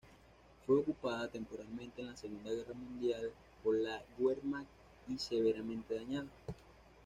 Fue ocupada temporalmente en la Segunda Guerra Mundial por la Wehrmacht y severamente dañada.